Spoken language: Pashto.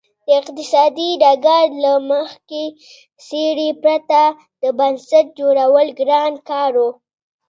د اقتصادي ډګر له مخکښې څېرې پرته د بنسټ جوړول ګران کار و.